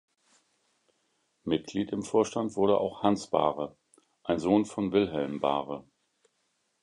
Mitglied im Vorstand wurde auch Hans Baare, ein Sohn von Wilhelm Baare.